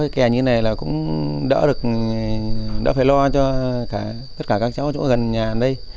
kè như thế này cũng đỡ phải lo cho tất cả các cháu ở gần nhà đây